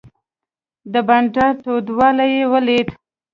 د بانډار تودوالی یې ولید.